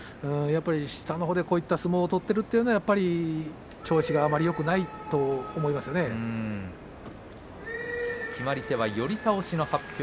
下のほうでこういう相撲を取っているというのは調子があまりよくないと決まり手は寄り倒しの発表。